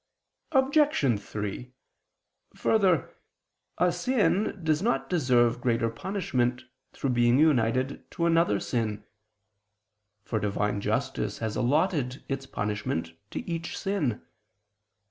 Obj. 3: Further, a sin does not deserve greater punishment through being united to another sin; for Divine justice has allotted its punishment to each sin.